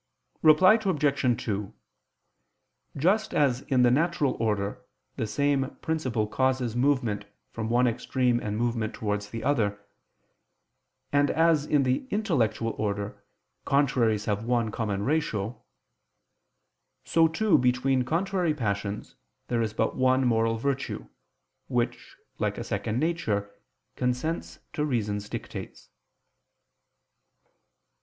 Reply Obj. 2: Just as in the natural order the same principle causes movement from one extreme and movement towards the other; and as in the intellectual order contraries have one common ratio; so too between contrary passions there is but one moral virtue, which, like a second nature, consents to reason's dictates.